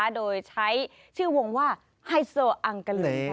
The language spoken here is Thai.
โดยใช้ชื่อวงว่าไฮโซอังกะลิน